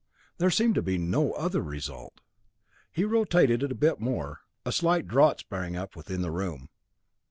There seemed to be no other result. He rotated it a bit more; a slight draught sprang up within the room.